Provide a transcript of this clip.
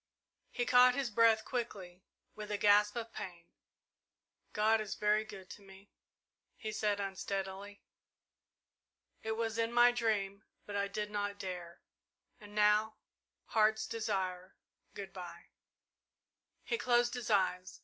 He caught his breath quickly, with a gasp of pain. "God is very good to me," he said unsteadily. "It was in my dream but I did not dare and now Heart's Desire good bye!" He closed his eyes.